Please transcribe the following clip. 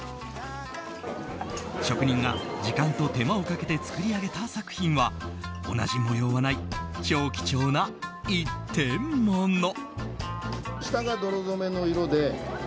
職人が時間と手間をかけて作り上げた作品は同じ模様はない超貴重な１点もの。